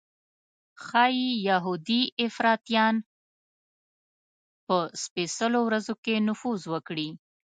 ښایي یهودي افراطیان په سپېڅلو ورځو کې نفوذ وکړي.